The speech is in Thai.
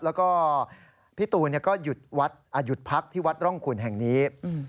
แล้วก็พี่ตูนก็หยุดพักที่วัดร่องขุนแห่งนี้